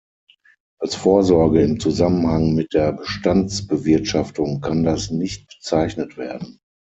Als Vorsorge im Zusammenhang mit der Bestandsbewirtschaftung kann das nicht bezeichnet werden.